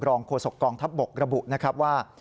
รองโฆษกกองทัพบกระบุว่า